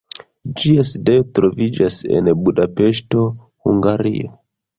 Ĝia sidejo troviĝas en Budapeŝto, Hungario.